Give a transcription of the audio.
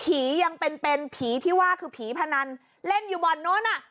ยังเป็นเป็นผีที่ว่าคือผีพนันเล่นอยู่บ่อนนู้นอ่ะ